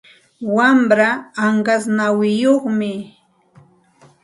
Wamraa anqas nawiyuqmi.